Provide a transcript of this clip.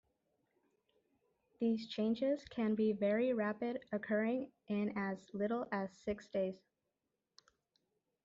These changes can be very rapid, occurring in as little as six days.